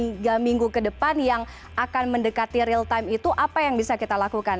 dua sampai dengan tiga minggu kedepan yang akan mendekati real time itu apa yang bisa kita lakukan